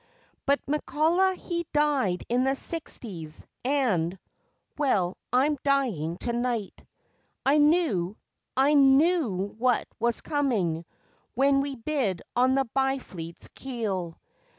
But McCullough he died in the Sixties, and Well, I'm dying to night.... I knew I knew what was coming, when we bid on the Byfleet's keel.